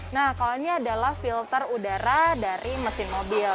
nah kalau ini adalah filter udara dari mesin mobil